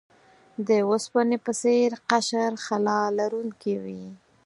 د اوسپنې په څیر قشر خلا لرونکی وي.